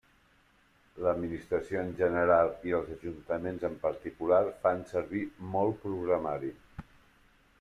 L'administració en general i els ajuntaments en particular fan servir molt programari.